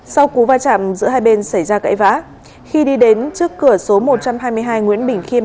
sau cú va chạm giữa hai bên xảy ra cãi vã khi đi đến trước cửa số một trăm hai mươi hai nguyễn bình khiêm